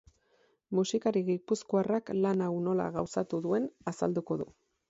Musikari gipuzkoarrak lan hau nola gauzatu duen azalduko du.